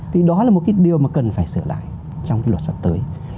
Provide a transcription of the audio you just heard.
thì đó là một cái điều mà cần phải sửa lại trong cái luật sắp tới